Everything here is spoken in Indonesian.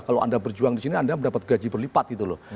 kalau anda berjuang di sini anda mendapat gaji berlipat gitu loh